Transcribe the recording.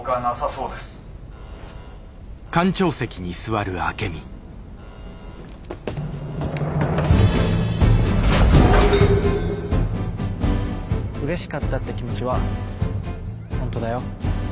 うれしかったって気持ちは本当だよ。